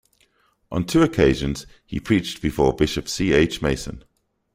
On two occasions, he preached before Bishop C. H. Mason.